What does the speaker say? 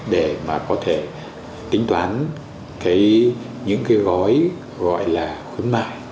để mà có thể tính toán những cái gói gọi là khuyến mại